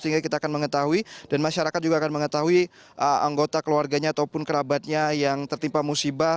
sehingga kita akan mengetahui dan masyarakat juga akan mengetahui anggota keluarganya ataupun kerabatnya yang tertimpa musibah